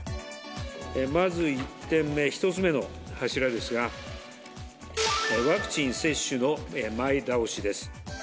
まず１点目、１つ目の柱ですが、ワクチン接種の前倒しです。